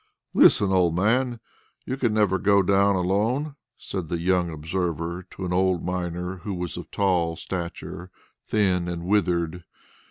"Listen, old man! You can never go down alone," said the young overseer to an old miner who was of tall stature, thin and withered.